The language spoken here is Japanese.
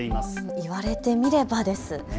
言われてみればです。